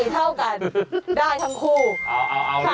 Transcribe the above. ถือว่าหนุ่มสี่เท่ากันได้ทั้งคู่